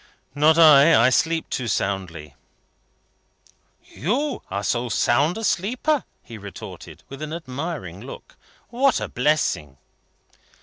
"Not I. I sleep too soundly." "You are so sound a sleeper?" he retorted, with an admiring look. "What a blessing!"